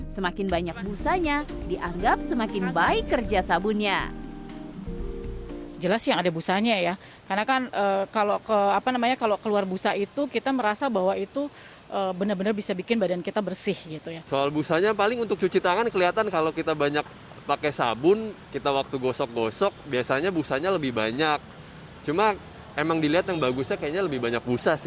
semakin banyak busanya dianggap semakin baik kerja sabunnya